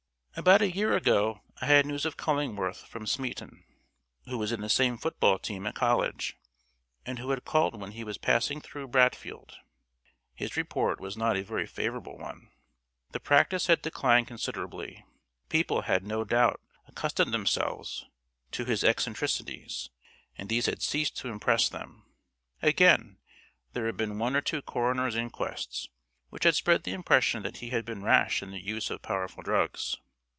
About a year ago I had news of Cullingworth from Smeaton, who was in the same football team at college, and who had called when he was passing through Bradfield. His report was not a very favourable one. The practice had declined considerably. People had no doubt accustomed themselves to his eccentricities, and these had ceased to impress them. Again, there had been one or two coroner's inquests, which had spread the impression that he had been rash in the use of powerful drugs.